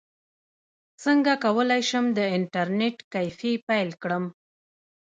څنګه کولی شم د انټرنیټ کیفې پیل کړم